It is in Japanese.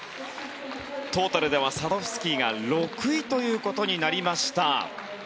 トータルではサドフスキーが６位ということになりました。